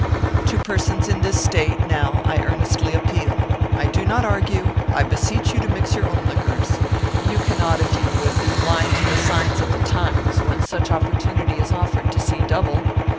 " To persons in this State, now, I earnestly appeal. I do not argue : I beseech you to mix your own liquors. You cannot, if you would, be blind to the signs of the times, when such opportunity is offered to see double.